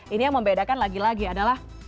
ini yang membedakan lagi lagi adalah